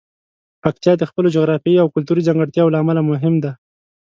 پکتیا د خپلو جغرافیايي او کلتوري ځانګړتیاوو له امله مهم دی.